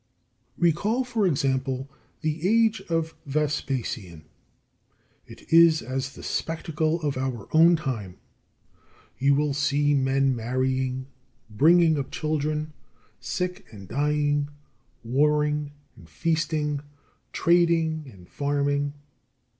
32. Recall, for example, the age of Vespasian. It is as the spectacle of our own time. You will see men marrying, bringing up children, sick and dying, warring and feasting, trading and farming.